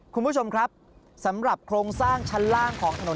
คุณผู้ชมครับสำหรับโครงสร้างชั้นล่างของถนน